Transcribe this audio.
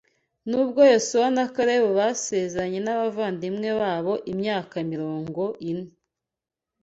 Nubwo Yosuwa na Kalebu bazereranye n’abavandimwe babo imyaka mirongo ine